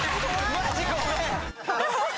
マジごめん！